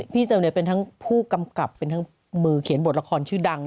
เจอเป็นทั้งผู้กำกับเป็นทั้งมือเขียนบทละครชื่อดัง